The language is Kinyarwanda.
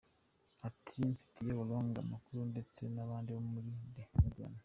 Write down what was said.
Ati “Mfitiye Wrong amakuru ndetse n’abandi bo muri The Guardian.